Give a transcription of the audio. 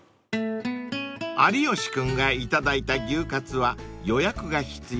［有吉君が頂いた牛カツは予約が必要］